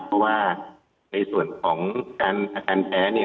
เพราะว่าในส่วนของอาการแพ้เนี่ย